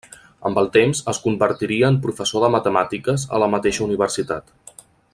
Amb el temps es convertiria en professor de matemàtiques a la mateixa universitat.